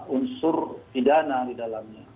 unsur pidana di dalamnya